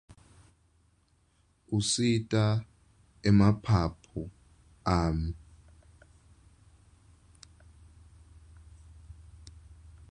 Usita emaphaphu ami kudvonsa umoya lohlobile abuye akhiphe lose usebentile.